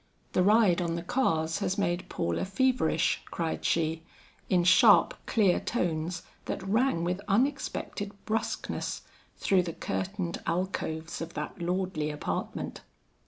"The ride on the cars has made Paula feverish," cried she, in sharp clear tones that rang with unexpected brusqueness through the curtained alcoves of that lordly apartment.